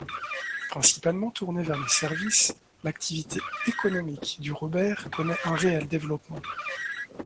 Principalement tournée vers les services, l'activité économique du Robert connaît un réel développement.